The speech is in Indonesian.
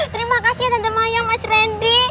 terima kasih ya tante mayang mas randy